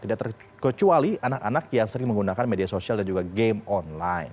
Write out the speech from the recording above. tidak terkecuali anak anak yang sering menggunakan media sosial dan juga game online